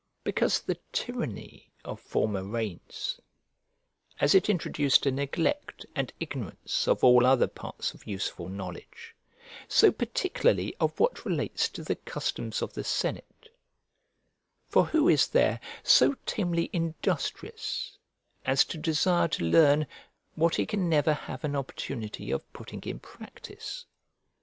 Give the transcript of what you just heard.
Because the tyranny of former reigns, as it introduced a neglect and ignorance of all other parts of useful knowledge, so particularly of what relates to the customs of the senate; for who is there so tamely industrious as to desire to learn what he can never have an opportunity of putting in practice?